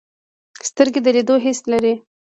سترګې د لیدلو حس لري